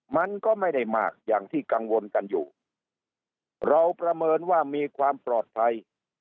มันก็ไม่ได้มากอย่างที่กังวลกันอยู่เราประเมินว่ามีความปลอดภัย